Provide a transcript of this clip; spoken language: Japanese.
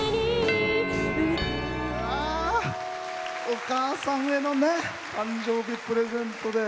お母さんへの誕生日プレゼントで。